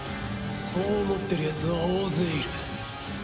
そう思ってるやつは大勢いる。